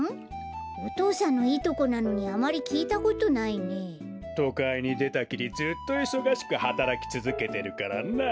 お父さんのいとこなのにあまりきいたことないね。とかいにでたきりずっといそがしくはたらきつづけてるからな。